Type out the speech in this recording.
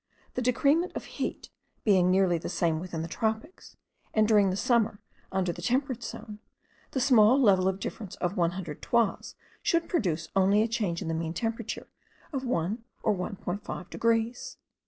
The decrement of the heat being nearly the same within the tropics, and during the summer under the temperate zone, the small difference of level of one hundred toises should produce only a change in the mean temperature of 1 or 1.5 degrees.